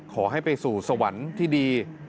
ขอให้ไปสู่สวรรค์ที่ดี